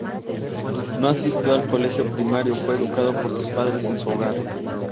No asistió al colegio primario, fue educado por sus padres en su hogar.